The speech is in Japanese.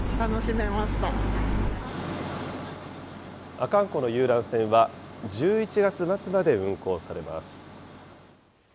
阿寒湖の遊覧船は、１１月末まで運航されます。